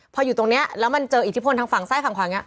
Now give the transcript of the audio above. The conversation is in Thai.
พออยู่ตรงนี้แล้วมันเจออิทธิพลทางฝั่งซ้ายฝั่งขวาอย่างนี้